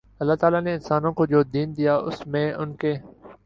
اللہ تعالی نے انسانوں کو جو دین دیا اس میں ان کے